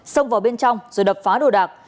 xông vào bên trong rồi đập phá đồ đạc